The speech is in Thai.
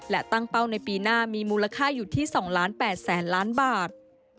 และตั้งเป้าในปีหน้ามีมูลค่าอยู่ที่๒๘๐๐๐ล้านบาท